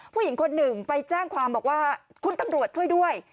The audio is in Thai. ผู้หญิงคนหนึ่งไปแจ้งความบอกว่าคุณตำรวจช่วยด้วย